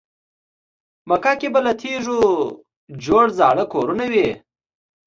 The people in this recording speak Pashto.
مکه کې به له تیږو جوړ زاړه کورونه وي.